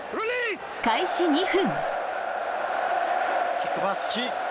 開始２分。